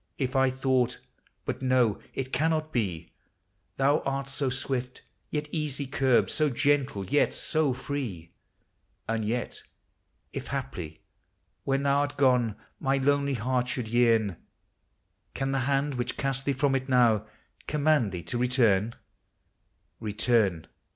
If I thought — but no, it cannot be, — Thou art so swift, yet easy curbed ; so gentle, yet so free: And yet, if haply, when thou 'rt gone, my lonely heart should vearn, — Can the hand which casts thee from it now com mand thee to return? Return!